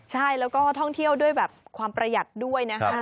ใช่แล้วก็ท่องเที่ยวด้วยแบบความประหยัดด้วยนะครับ